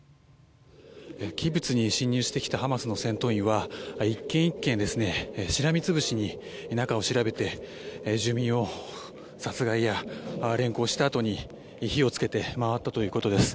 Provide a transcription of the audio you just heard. キブツに侵入してきたハマスの戦闘員は１件１件ですねしらみつぶしに中を調べて住民を殺害や連行した後に火をつけて回ったということです。